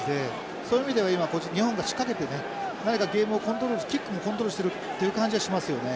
そういう意味では今日本が仕掛けてね何かゲームをコントロールキックもコントロールしてるっていう感じはしますよね。